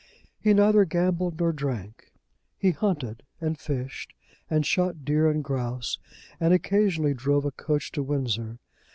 He neither gambled nor drank. He hunted and fished, and shot deer and grouse, and occasionally drove a coach to Windsor.